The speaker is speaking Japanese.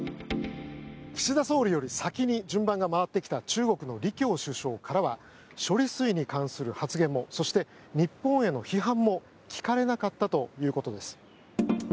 岸田総理より先に順番が回ってきた中国の李強首相からは処理水に関する発言もそして日本への批判も聞かれなかったということです。